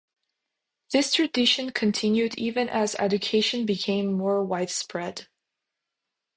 This tradition continued even as education became more widespread.